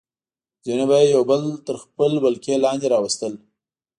ځینو به یې یو بل تر خپلې ولکې لاندې راوستل.